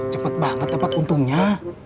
cepet banget dapat untungnya